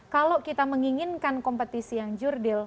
kalau kita menginginkan kompetisi yang jurdil